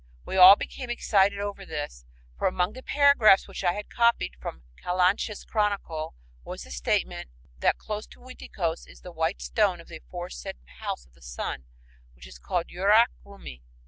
We all became excited over this, for among the paragraphs which I had copied from Calancha's "Chronicle" was the statement that "close to Uiticos" is the "white stone of the aforesaid house of the Sun which is called Yurak Rumi."